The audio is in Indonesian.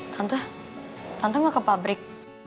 tante tante gak ke pabrik